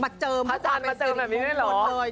มาเจิมอาจารย์ในสินิมมุมหมดเลย